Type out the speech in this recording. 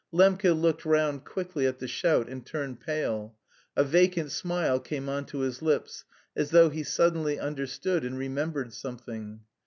Lembke looked round quickly at the shout and turned pale. A vacant smile came on to his lips, as though he suddenly understood and remembered something.